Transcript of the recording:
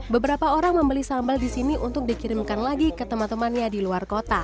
beberapa orang membeli sambal di sini untuk dikirimkan lagi ke teman temannya di luar kota